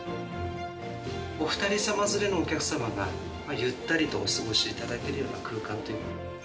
お２人様連れのお客様が、ゆったりとお過ごしいただけるような空間というのを。